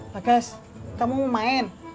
pak kas kamu mau main